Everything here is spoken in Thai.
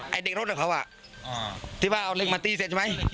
ไอ้เด็กรถอ่ะเขาอ่ะที่บ้านเอาเหล็กมาตีเสร็จใช่ไหม